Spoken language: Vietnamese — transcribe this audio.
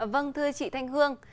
vâng thưa chị thanh hương